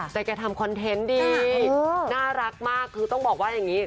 แต่แกทำคอนเทนต์ดีน่ารักมากคือต้องบอกว่าอย่างนี้